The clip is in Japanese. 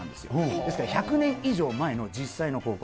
ですから１００年以上前の実際の広告。